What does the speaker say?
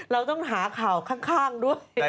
เราต้องหาข่าวข้างด้วย